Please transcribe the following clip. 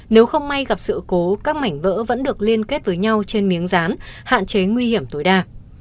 nếu không may gặp sự cố các mảnh vỡ vẫn được liên kết với nhau trên miếng rán hạn chế nguy hiểm tối đa